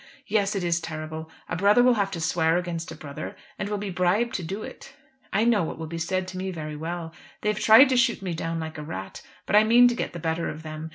"Yes; it is terrible. A brother will have to swear against a brother, and will be bribed to do it. I know what will be said to me very well. They have tried to shoot me down like a rat; but I mean to get the better of them.